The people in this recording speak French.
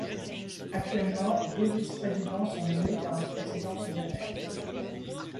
Actuellement, deux vice-présidents sont nommés par le président soudanais.